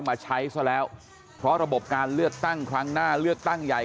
มาใช้ซะแล้วเพราะระบบการเลือกตั้งครั้งหน้าเลือกตั้งใหญ่